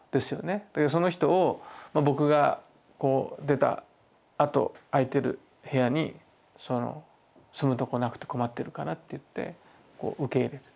だけどその人を僕が出たあと空いてる部屋に住むとこなくて困ってるからっていって受け入れてた。